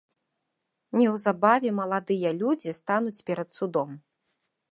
Неўзабаве маладыя людзі стануць перад судом.